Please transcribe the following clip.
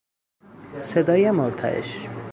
صدای مرتعش